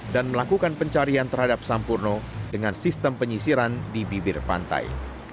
dan melakukan pencarian terhadap sampurno dengan sistem penyisiran di bibir pantai